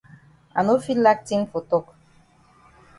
I no fit lack tin for tok.